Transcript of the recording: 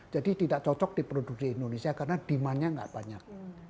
jadi tidak cocok diproduksi di indonesia karena demandnya tidak banyak